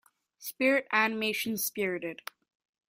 Spirit animation Spirited.